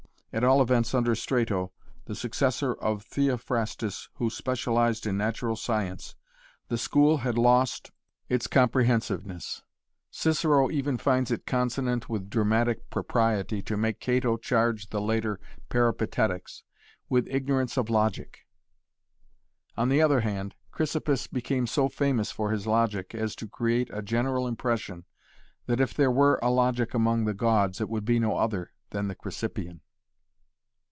At all events under Strato the successor of Theophrastus who specialized in natural science the school had lost its comprehensiveness. Cicero even finds it consonant with dramatic propriety to make Cato charge the later Peripatetics with ignorance of logic! On the other hand Chrysippus became so famous for his logic as to create a general impression that if there were a logic among the gods it would be no other than the Chrysippean.